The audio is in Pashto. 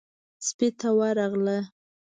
سپۍ ته ورغله.